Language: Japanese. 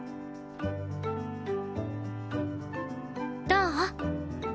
どう？